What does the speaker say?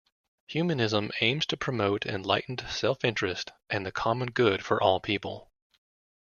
Humanism aims to promote enlightened self-interest and the common good for all people.